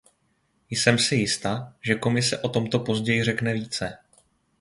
Jsem si jista, že Komise o tom později řekne více.